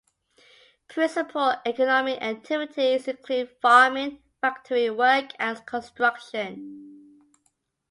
Principal economic activities include farming, factory work, and construction.